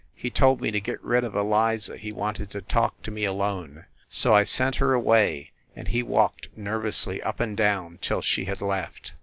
He told me to get rid of Eliza he wanted to talk to me alone. So I sent her away, and he walked nervously up and down till she had left.